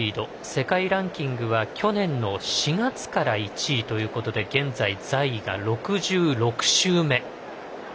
世界ランキングは去年の４月から１位ということで現在、在位が６６週目。